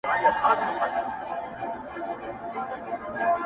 o ازمايښت اول په کال و، اوس په گړي دئ!